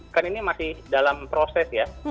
kan ini masih dalam proses ya